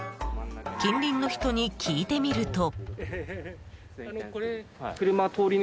近隣の人に聞いてみると。